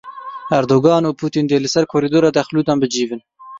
Erdogan û Putin dê li ser korîdora dexlûdan bicivin.